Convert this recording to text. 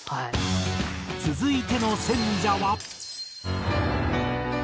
続いての選者は。